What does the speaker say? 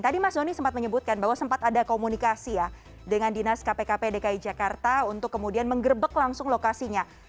tadi mas doni sempat menyebutkan bahwa sempat ada komunikasi ya dengan dinas kpkp dki jakarta untuk kemudian menggerbek langsung lokasinya